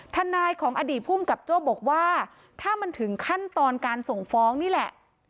ทนายของอดีตภูมิกับโจ้บอกว่าถ้ามันถึงขั้นตอนการส่งฟ้องนี่แหละ